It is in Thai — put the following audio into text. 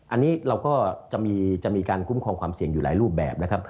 อันนี้เราก็จะมีการคุ้มครองความเสี่ยงอยู่หลายรูปแบบนะครับ